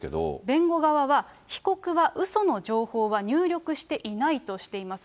弁護側は、被告はうその情報は入力していないとしています。